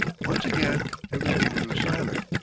Once again everything grew silent.